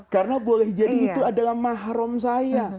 karena boleh jadi itu adalah mahrum saya